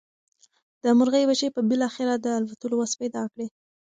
د مرغۍ بچي به بالاخره د الوتلو وس پیدا کړي.